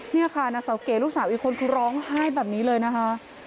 นี่ค่ะนางเสาเก๋ลูกสาวอีกคนคือร้องไห้แบบนี้เลยนะคะ